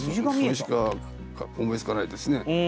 それしか思いつかないですね。